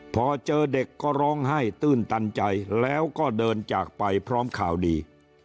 พอเจอเด็กก็ร้องไห้ตื้นตันใจแล้วก็เดินจากไปพร้อมข่าวดี